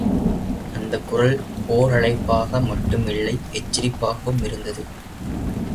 அந்தக்குரல் போரழைப்பாக மட்டுமில்லை எச்சரிப்பாகவும் இருந்தது.